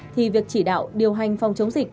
thì việc chỉ đạo điều hành phòng chống dịch